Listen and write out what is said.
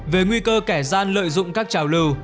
về nguy cơ kẻ gian lợi dụng các trào lưu